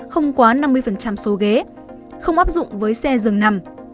không quá năm mươi số ghế không áp dụng với xe dừng nằm